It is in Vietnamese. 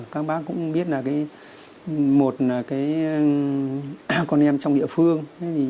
các bác cũng biết là một a con em trong địa phương